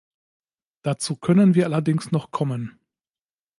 Dazu können wir allerdings noch kommen.